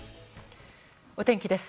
お天気です。